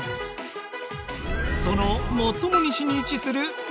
その最も西に位置する三好市。